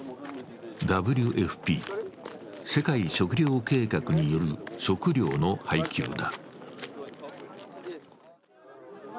ＷＦＰ＝世界食糧計画による食糧の配給だ。